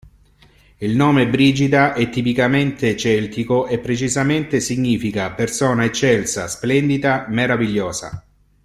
Il nome Brigida è tipicamente celtico e precisamente significa “persona eccelsa, splendida, meravigliosa”.